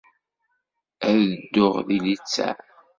Ad dduɣ di listeɛ.